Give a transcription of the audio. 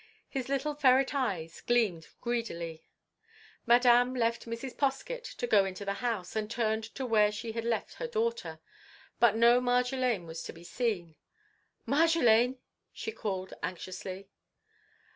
His little ferret eyes gleamed greedily. Madame left Mrs. Poskett to go into the house, and turned to where she had left her daughter, but no Marjolaine was to be seen. "Marjolaine!" she called, anxiously.